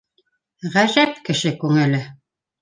Ғәжәп кеше күңеле.